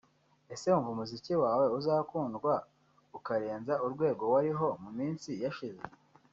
Ese wumva umuziki wawe uzakundwa ukarenza urwego wariho mu minsi yashize